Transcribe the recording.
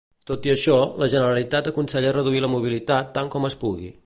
Tot i això, la Generalitat aconsella reduir la mobilitat tant com es pugui.